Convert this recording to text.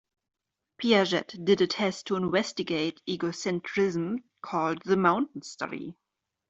Piaget did a test to investigate egocentrism called the mountains study.